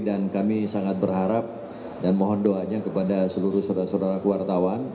dan kami sangat berharap dan mohon doanya kepada seluruh saudara saudara kewaratawan